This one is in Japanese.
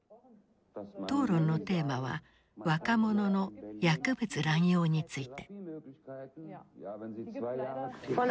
討論のテーマは若者の薬物乱用について。